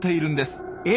え？